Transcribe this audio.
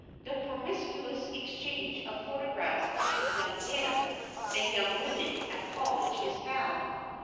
The promiscuous exchange of photographs between young men and young women at college is bad.